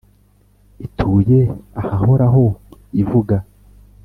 ituye ahahoraho ivuga